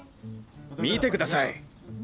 見てください。